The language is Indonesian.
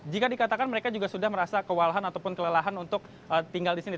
jika dikatakan mereka juga sudah merasa kewalahan ataupun kelelahan untuk tinggal di sini